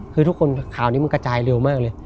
คือทุกคนข่าวนี้มันกระจายเร็วมากเลย